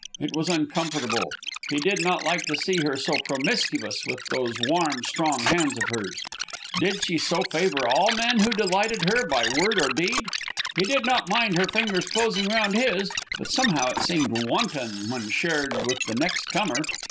It was uncomfortable. He did not like to see her so promiscuous with those warm, strong hands of hers. Did she so favor all men who delighted her by word or deed? He did not mind her fingers closing round his, but somehow it seemed wanton when shared with the next comer.